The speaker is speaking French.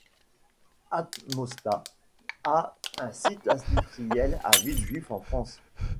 Atmostat a un site industriel à Villejuif en France.